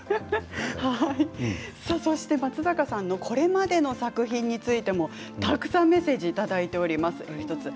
松坂さんのこれまでの作品についてもたくさんメッセージをいただいています。